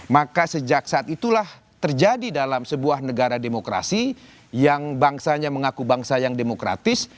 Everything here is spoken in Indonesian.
maka sejak saat itulah terjadi dalam sebuah negara demokrasi yang bangsanya mengaku bangsa yang demokratis